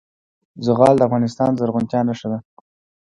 زغال د افغانستان د زرغونتیا نښه ده.